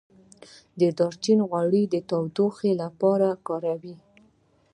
د دارچینی غوړي د تودوخې لپاره وکاروئ